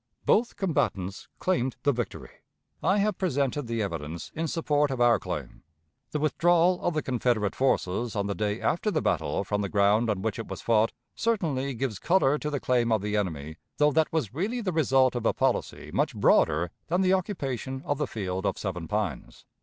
Both combatants claimed the victory. I have presented the evidence in support of our claim. The withdrawal of the Confederate forces on the day after the battle from the ground on which it was fought certainly gives color to the claim of the enemy, though that was really the result of a policy much broader than the occupation of the field of Seven Pines.